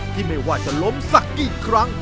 ไม่ว่าจะล้มสักกี่ครั้ง